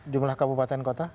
jumlah kabupaten kota